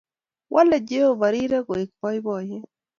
Wole Jehova rirek kowek poipoiyet.